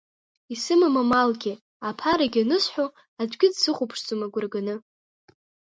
Исымам амалгьы, аԥарагь анысҳәо, аӡәгьы дсыхәаԥшӡом агәра ганы.